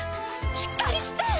しっかりして！